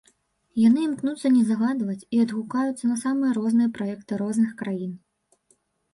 Яны імкнуцца не загадваць і адгукаюцца на самыя розныя праекты розных краін.